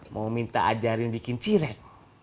mau minta ajarin bikin ciret